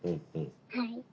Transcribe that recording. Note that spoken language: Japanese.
はい。